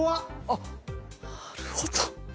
あっなるほど。